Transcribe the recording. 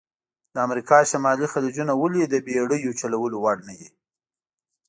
د امریکا شمالي خلیجونه ولې د بېړیو چلول وړ نه دي؟